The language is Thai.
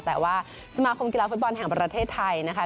แต่ว่าสมาคมกีฬาฟุตบอลแห่งประเทศไทยนะคะ